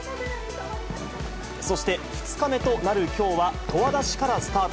そして２日目となるきょうは、十和田市からスタート。